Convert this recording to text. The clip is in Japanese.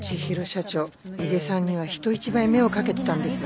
社長井手さんには人一倍目をかけてたんです。